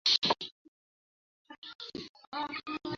Trigger এরপর সোজা গিরিখাতটায় চলে যায়।